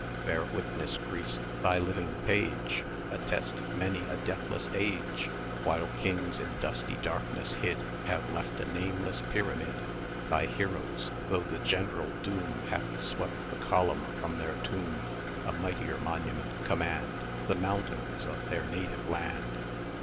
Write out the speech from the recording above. Bear witness, Greece, thy living page! Attest it many a deathless age![cp] While Kings, in dusty darkness hid, Have left a nameless pyramid, Thy Heroes, though the general doom 130 Hath swept the column from their tomb, A mightier monument command, The mountains of their native land!